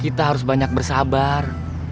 kita harus banyak bersabar